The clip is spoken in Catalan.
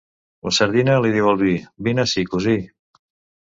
La sardina li diu al vi: Vine ací, cosí.